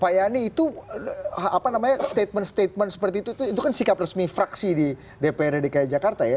pak yani itu apa namanya statement statement seperti itu itu kan sikap resmi fraksi di dprd dki jakarta ya